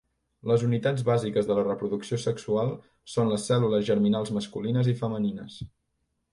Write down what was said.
Les unitats bàsiques de la reproducció sexual són les cèl·lules germinals masculines i femenines.